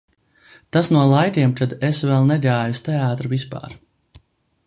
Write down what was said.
Tas no laikiem, kad es vēl negāju uz teātri vispār.